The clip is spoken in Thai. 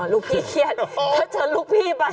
ลูกพี่เครียดเขาชวนลูกพี่ไปนะครับโอ้ยย